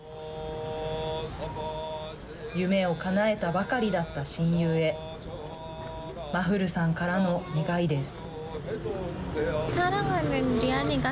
夢をかなえたばかりだった親友へマフルさんからの願いです。